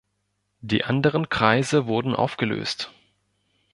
Die anderen Kreise wurden aufgelöst.